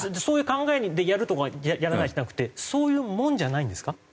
そういう考えにやるとかやらないじゃなくてそういうものじゃないんですか？